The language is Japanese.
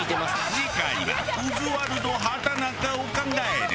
次回は「オズワルド畠中を考える」。